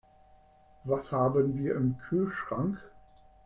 Was haben wir im Kühlschrank?